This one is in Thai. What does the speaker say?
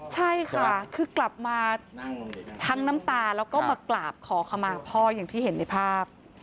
ใช่ค่ะคือกลับมาทั้งน้ำตาแล้วก็มากราบขอขมาพ่ออย่างที่เห็นในภาพ